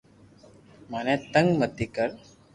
مني تنگ متي ڪر